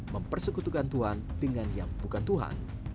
mempersekutukan tuhan dengan yang bukan tuhan